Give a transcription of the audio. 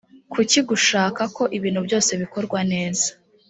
kuki gushaka ko ibintu byose bikorwa neza